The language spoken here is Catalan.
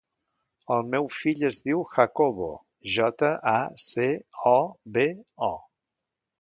El meu fill es diu Jacobo: jota, a, ce, o, be, o.